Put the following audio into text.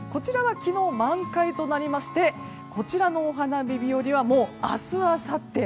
昨日満開となりましてこちらのお花見日和はもう明日、あさって。